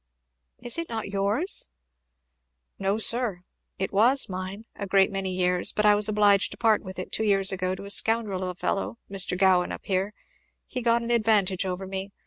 "Is it not yours?" "No sir! it was mine, a great many years; but I was obliged to part with it, two years ago, to a scoundrel of a fellow McGowan up here he got an advantage over me.